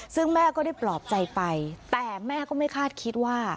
ซึ่งแม่ก็ได้ปลอบใจไปแต่แม่ก็ไม่คาดคิดว่า